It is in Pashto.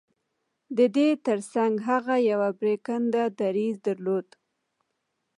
د دې ترڅنګ هغه يو پرېکنده دريځ درلود.